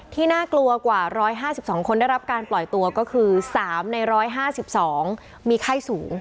น่ากลัวกว่า๑๕๒คนได้รับการปล่อยตัวก็คือ๓ใน๑๕๒มีไข้สูง